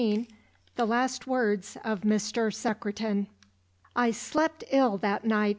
The Last Words of Mr. Secretan "I slept ill that night.